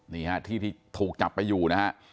นี่ฮะที่ที่ถูกจับไปอยู่นะฮะ